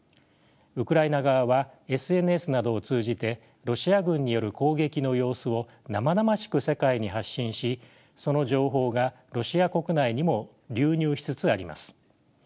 ウクライナ側はＳＮＳなどを通じてロシア軍による攻撃の様子を生々しく世界に発信しその情報がロシア国内にも流入しつつあります。